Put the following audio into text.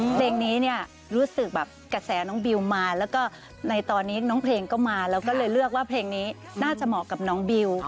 เพลงนี้เนี่ยรู้สึกแบบกระแสน้องบิวมาแล้วก็ในตอนนี้น้องเพลงก็มาแล้วก็เลยเลือกว่าเพลงนี้น่าจะเหมาะกับน้องบิว